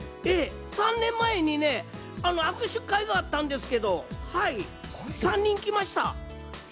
３年前にね、握手会があったんですけど、３人来ました。